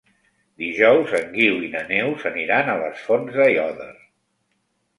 Dijous en Guiu i na Neus aniran a les Fonts d'Aiòder.